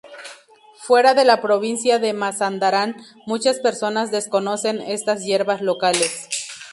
Fuera de la provincia de Mazandarán, muchas personas desconocen estas hierbas locales.